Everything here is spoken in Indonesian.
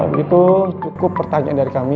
hal itu cukup pertanyaan dari kami